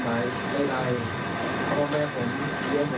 ว่าแม่ผมเรื่องร้อนมาดีครับ